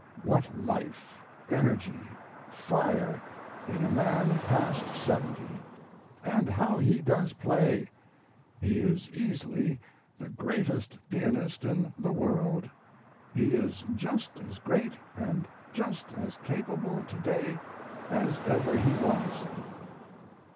What life, energy, fire in a man past 70! & how he does play! He is easily the greatest pianist in the world. He is just as great & just as capable today as ever he was.